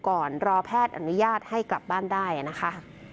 รอแพทย์อนุญาตให้กลับบ้านได้นะคะ